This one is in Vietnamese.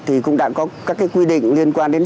thì cũng đã có các cái quy định liên quan đến